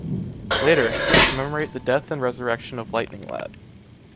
Later, they commemorate the death and resurrection of Lightning Lad.